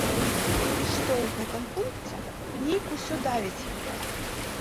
І што ў гэтым пункце нейк усё давіць яго.